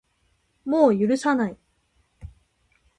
もう許さない